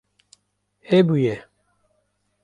Hebûye